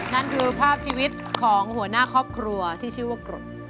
นั่นคือภาพชีวิตของหัวหน้าครอบครัวที่ชื่อว่ากรด